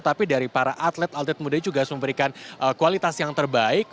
tapi dari para atlet atlet muda juga harus memberikan kualitas yang terbaik